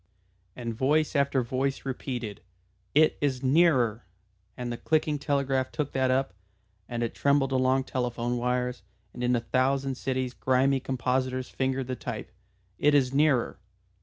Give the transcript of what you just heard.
_" And voice after voice repeated, "It is nearer," and the clicking telegraph took that up, and it trembled along telephone wires, and in a thousand cities grimy compositors fingered the type. "It is nearer."